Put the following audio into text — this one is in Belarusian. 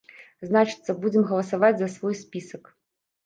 Значыцца, будзем галасаваць за свой спісак!